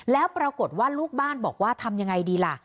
แล้วปรากฏว่าลูกบ้านบอกว่าทำยังไงดีล่ะ